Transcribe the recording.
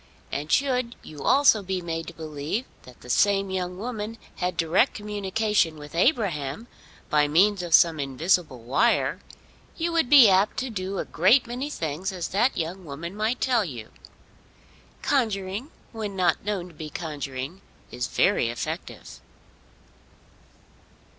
And should you also be made to believe that the same young woman had direct communication with Abraham, by means of some invisible wire, you would be apt to do a great many things as that young woman might tell you. Conjuring, when not known to be conjuring, is very effective.